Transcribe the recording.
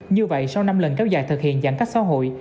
như vậy sau năm lần kéo dài thực hiện giãn cách xã hội